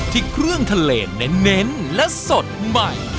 ที่เครื่องทะเลเน้นและสดใหม่